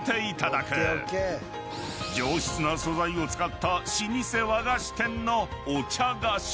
［上質な素材を使った老舗和菓子店のお茶菓子］